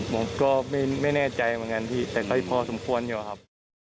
ผมก็ไม่แน่ใจเหมือนกันพี่แต่ก็พอสมควรอยู่ครับ